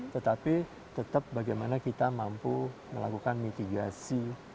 tetapi tetap bagaimana kita mampu melakukan mitigasi